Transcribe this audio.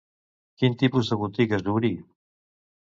Quin tipus de botigues obrí?